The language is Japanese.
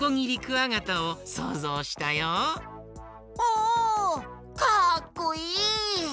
おかっこいい！